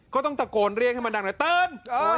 ก็ต้องตะโกนเรียกให้มาดังเลยตื่น